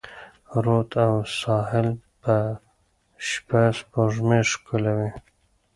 رود او ساحل به شپه، سپوږمۍ ښکلوي